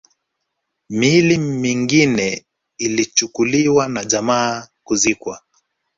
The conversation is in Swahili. Miili mingine ilichukuliwa na jamaa kuzikwa